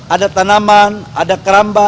ada tanaman ada keramba